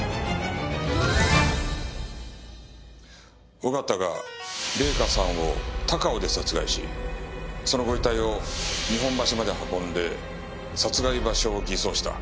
小形が礼香さんを高尾で殺害しそのご遺体を日本橋まで運んで殺害場所を偽装した。